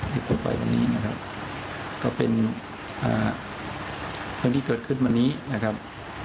พูดไปวันนี้นะครับก็เป็นเรื่องที่เกิดขึ้นวันนี้นะครับ